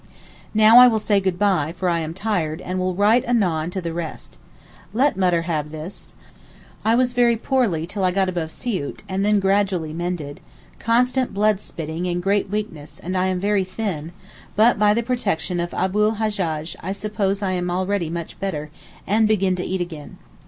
Now I will say good bye, for I am tired, and will write anon to the rest. Let Mutter have this. I was very poorly till I got above Siout, and then gradually mended—constant blood spitting and great weakness and I am very thin, but, by the protection of Abu l Hajjaj I suppose I am already much better, and begin to eat again.